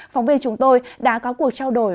phóng viên chúng tôi đã có cuộc trao đổi